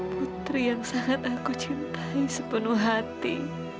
putri yang sangat aku cintai sepenuh hati